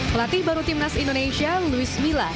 pelatih baru tim nasional indonesia luis mila